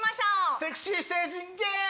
セクシー星人ゲーム！